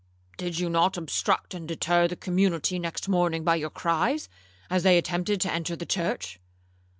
'—'Did you not obstruct and deter the community next morning by your cries, as they attempted to enter the church?'